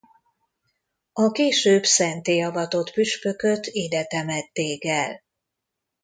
A később szentté avatott püspököt ide temették el.